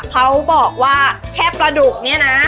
เขาบอกว่าแค่ปลาดุกเนี่ยนะ